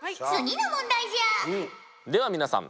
では皆さん